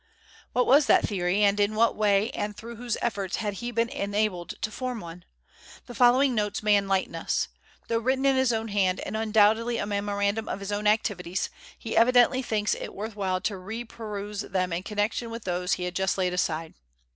What was that theory; and in what way and through whose efforts had he been enabled to form one? The following notes may enlighten us. Though written in his own hand, and undoubtedly a memorandum of his own activities, he evidently thinks it worth while to reperuse them in connection with those he had just laid aside.